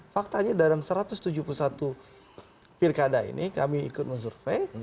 faktanya dalam satu ratus tujuh puluh satu pilkada ini kami ikut mensurvey